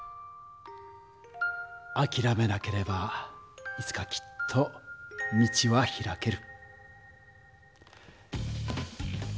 あきらめなければいつかきっと道は開ける。